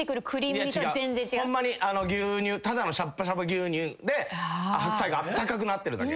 ホンマに牛乳ただのシャッバシャバ牛乳で白菜があったかくなってるだけ。